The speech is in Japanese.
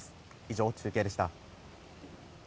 以上、中継でした。